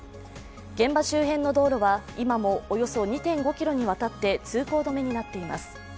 現場周辺の道路は今もおよそ２．５ｋｍにわたって通行止めになっています。